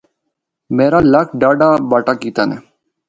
میرا لکھ ڈاہڈا باٹا کیتا نے۔